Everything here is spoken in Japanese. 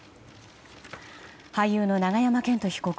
俳優の永山絢斗被告